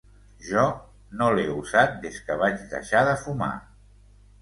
Jo no l'he usat des que vaig deixar de fumar.